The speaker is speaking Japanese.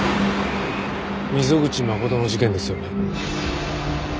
溝口誠の事件ですよね？